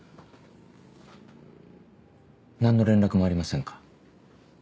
何の連絡もありませんか？